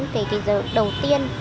cái đầu tiên